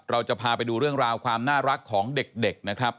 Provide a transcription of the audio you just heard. เราจะพาไปดูเรื่องราวความน่ารักของเด็กนะครับ